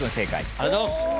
ありがとうございます。